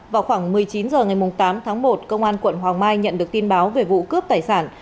vào khoảng một mươi chín h ngày tám tháng một công an quận hoàng mai nhận được tin báo về vụ cướp tài sản